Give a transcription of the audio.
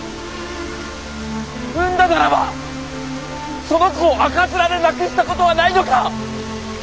産んだならばその子を赤面で亡くしたことはないのか！